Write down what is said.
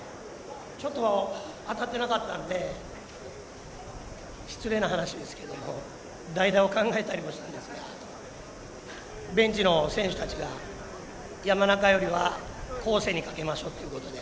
ちょっと当たってなかったんで失礼な話ですけども代打を考えたりもしたんですがベンチの選手たちが山中よりは光成にかけましょうと。